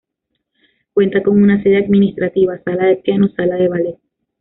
Cuenta con una sede administrativa, sala de piano, sala de ballet.